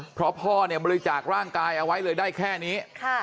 เพราะพ่อเนี่ยบริจาคร่างกายเอาไว้เลยได้แค่นี้